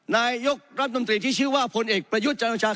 นายกรัฐมนตรีที่ชื่อว่าพลเอกประยุทธ์จันโอชา